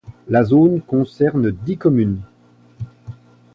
La zone concerne dix communes.